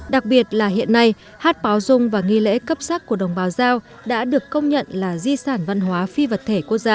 đặc biệt là hiện nay hát báo dung và nghi lễ cấp sắc của đồng bào giao đã được công nhận là di sản văn hóa phi vật thể quốc gia